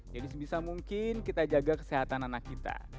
jadi sebisa mungkin kita jaga kesehatan anak kita